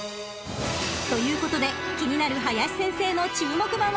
［ということで気になる林先生の注目馬は］